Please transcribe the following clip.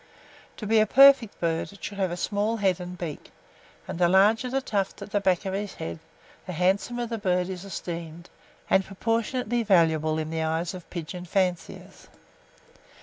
To be a perfect bird, it should have a small head and beak; and the larger the tuft at the back of his head, the handsomer the bird is esteemed, and proportionately valuable in the eyes of pigeon fanciers.